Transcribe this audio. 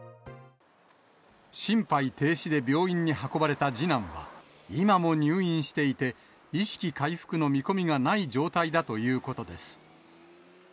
心肺停止で病院に運ばれた次男は、今も入院していて、意識回復の見込みがない状態だということです。